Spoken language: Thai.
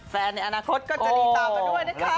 ในอนาคตก็จะดีตามมาด้วยนะคะ